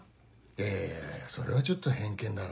いやいやそれはちょっと偏見だろ。